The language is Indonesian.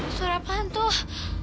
suara apaan tuh